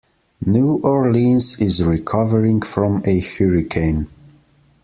New Orleans is recovering from a hurricane.